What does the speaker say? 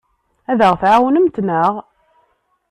Ad aɣ-tɛawnemt, naɣ?